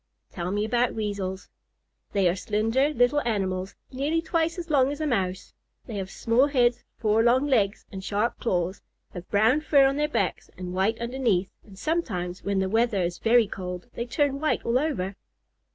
"Tell me about Weasels." "They are slender little animals, nearly twice as long as a Mouse. They have small heads, four short legs, and sharp claws; have brown fur on their backs and white underneath, and sometimes, when the weather is very cold, they turn white all over."